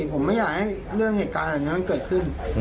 ผมไม่อยากให้เรื่องเหตุการณ์แบบนี้มันเกิดขึ้น